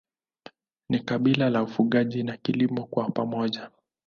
Ni kabila la ufugaji na kilimo kwa pamoja.